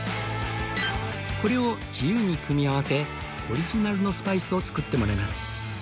これを自由に組み合わせオリジナルのスパイスを作ってもらいます